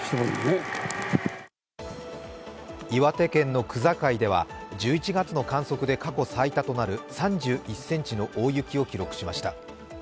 岩手県の区界では１１月の過去最大となる３１センチの大雪を記録しました。